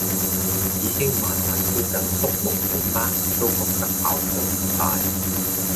已經晚晚敷緊縮毛孔 mask 都覺得效果唔大